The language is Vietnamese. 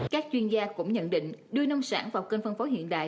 các chuyên gia cũng nhận định đưa nông sản vào kênh phân phối hiện đại